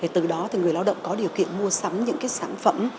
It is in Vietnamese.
từ đó người lao động có điều kiện mua sắm những sản phẩm